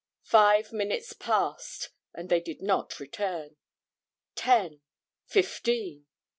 Five minutes passed and they did not return. Ten, fifteen.